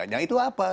ya itu apa